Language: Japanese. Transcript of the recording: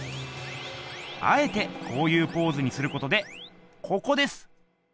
あえてこういうポーズにすることでここです。